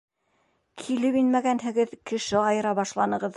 Килеп инмәгәнһегеҙ, кеше айыра башланығыҙ.